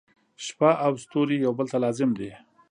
• شپه او ستوري یو بل ته لازم دي.